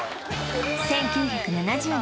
１９７０年